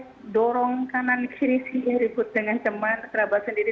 kesek dorong kanan kiri ribut dengan cuman terabat sendiri